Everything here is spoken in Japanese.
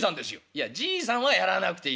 「いやじいさんはやらなくていいんだよ。